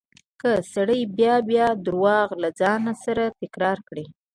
که سړی بيا بيا درواغ له ځان سره تکرار کړي.